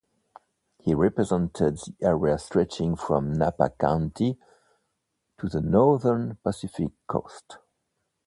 He represented the area stretching from Napa County to the northern Pacific coast.